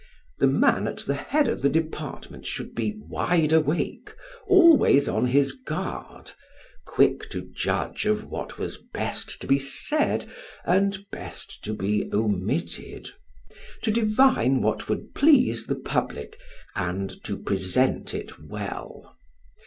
The man at the head of that department should be wide awake, always on his guard, quick to judge of what was best to be said and best to be omitted, to divine what would please the public and to present it well.